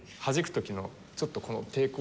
時のちょっとこの抵抗が。